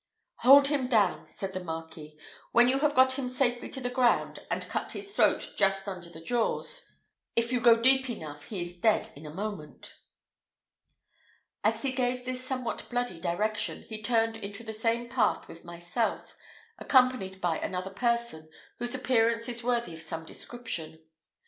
"Hold him down," said the Marquis, "when you have got him safely on the ground, and cut his throat just under the jaws if you go deep enough he is dead in a moment." As he gave this somewhat bloody direction, he turned into the same path with myself, accompanied by another person, whose appearance is worthy of some description.